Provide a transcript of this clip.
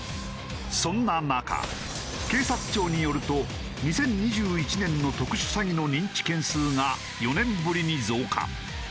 そんな中警察庁によると２０２１年の特殊詐欺の認知件数が４年ぶりに増加。